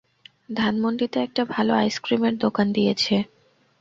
ধানমণ্ডিতে একটা ভালো আইসক্রীমের দোকান দিয়েছে।